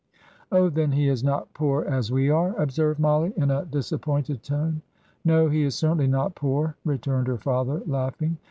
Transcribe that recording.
"Oh, then he is not poor as we are?" observed Mollie, in a disappointed tone. "No, he is certainly not poor," returned her father, laughing.